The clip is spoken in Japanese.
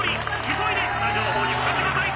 急いでスタジオの方に向かってください！